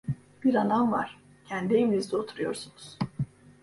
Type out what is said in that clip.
Bir anan var, kendi evinizde oturuyorsunuz…